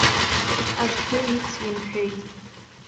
Аӡәгьы ицимҳәеит.